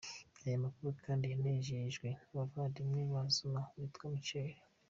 Aya makuru kandi yanemejwe n’umuvandimwe wa Zuma witwa Michael